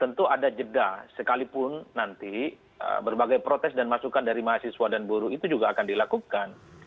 tentu ada jeda sekalipun nanti berbagai protes dan masukan dari mahasiswa dan buruh itu juga akan dilakukan